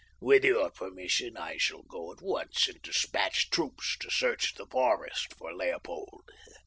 "With your permission, I shall go at once and dispatch troops to search the forest for Leopold.